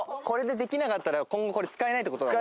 これでできなかったら今後これ使えないって事。